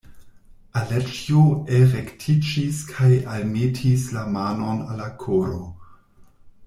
Aleĉjo elrektiĝis kaj almetis la manon al la koro.